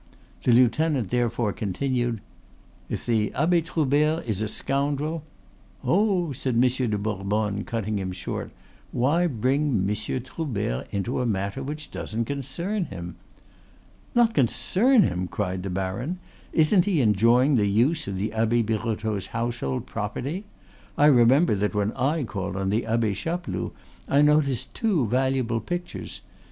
The lieutenant therefore continued: "If the Abbe Troubert is a scoundrel " "Oh," said Monsieur de Bourbonne, cutting him short, "why bring Monsieur Troubert into a matter which doesn't concern him?" "Not concern him?" cried the baron; "isn't he enjoying the use of the Abbe Birotteau's household property? I remember that when I called on the Abbe Chapeloud I noticed two valuable pictures.